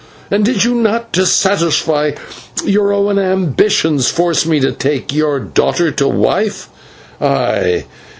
And did you not, to satisfy your own ambitions, force me on to take your daughter to wife? Ay!